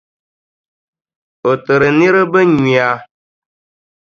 O tiri niriba nyuya.